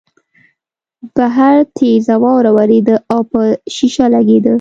بهر تېزه واوره ورېده او په شیشه لګېده